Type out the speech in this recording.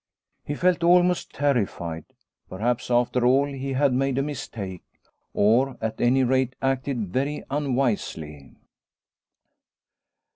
He felt almost terrified. Perhaps after all he had made a mistake, or, at any rate, acted very unwisely.